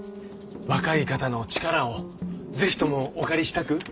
若い方の力をぜひともお借りしたく。